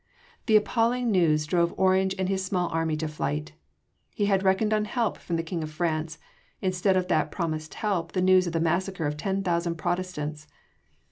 The appalling news drove Orange and his small army to flight he had reckoned on help from the King of France instead of that promised help the news of the massacre of ten thousand Protestants!